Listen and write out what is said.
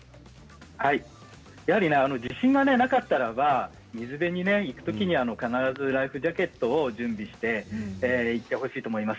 やはり自信がなかったら水辺に行くときにライフジャケットを準備して行ってほしいと思います。